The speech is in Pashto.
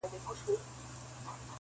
د قلا شنې وني لمبه سوې د جهاد په اور کي-